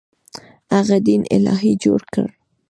هغه دین الهي جوړ کړ.